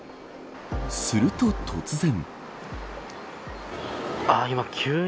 すると突然。